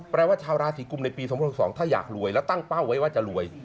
แปลว่าชาวราศีกุมในปี๒๐๖๒ถ้าอยากรวยแล้วตั้งเป้าไว้ว่าจะรวย